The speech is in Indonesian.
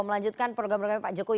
melanjutkan program programnya pak jokowi